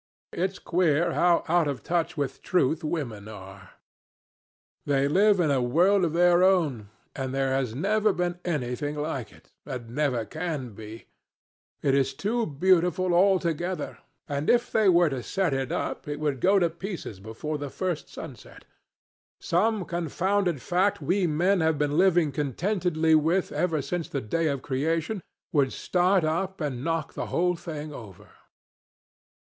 It's queer how out of touch with truth women are. They live in a world of their own, and there had never been anything like it, and never can be. It is too beautiful altogether, and if they were to set it up it would go to pieces before the first sunset. Some confounded fact we men have been living contentedly with ever since the day of creation would start up and knock the whole thing over.